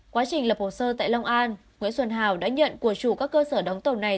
quá trình lập hồ sơ tại long an nguyễn xuân hào đã nhận của chủ các cơ sở đóng tàu này